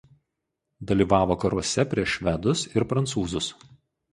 Dalyvavo karuose prieš švedus ir prancūzus.